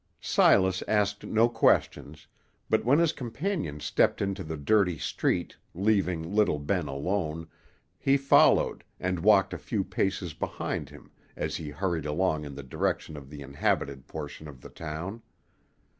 Silas asked no questions, but when his companion stepped into the dirty street, leaving little Ben alone, he followed, and walked a few paces behind him, as he hurried along in the direction of the inhabited portion of the town.